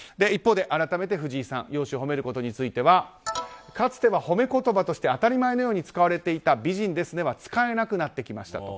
一方で改めて容姿を褒めることについてはかつては褒め言葉として当たり前のように使えていた美人ですねは使えなくなってきた。